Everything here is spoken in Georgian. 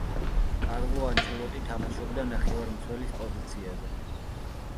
კარლო ანჩელოტი თამაშობდა ნახევარმცველის პოზიციაზე.